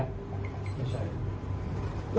ไม่ใช่